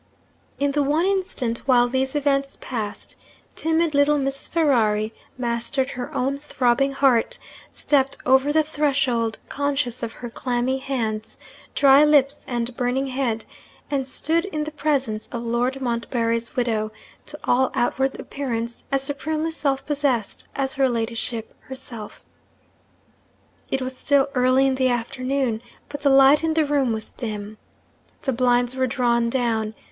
In the one instant while these events passed, timid little Mrs. Ferrari mastered her own throbbing heart; stepped over the threshold, conscious of her clammy hands, dry lips, and burning head; and stood in the presence of Lord Montbarry's widow, to all outward appearance as supremely self possessed as her ladyship herself. It was still early in the afternoon, but the light in the room was dim. The blinds were drawn down.